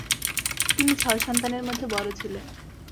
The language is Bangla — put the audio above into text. তিনি ছয় সন্তানের মধ্যে বড় ছিলেন।